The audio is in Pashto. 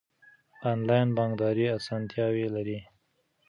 انلاین بانکداري اسانتیاوې لري.